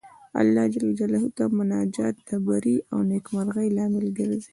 الله جل جلاله ته مناجات د بري او نېکمرغۍ لامل ګرځي.